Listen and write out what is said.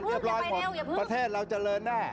เรียบร้อยหมดประเทศเราเจริญแน่